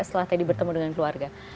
setelah tadi bertemu dengan keluarga